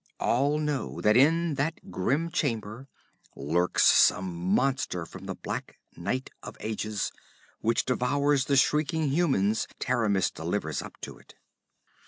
All know that in that grim chamber lurks some monster from the black night of ages, which devours the shrieking humans Taramis delivers up to it.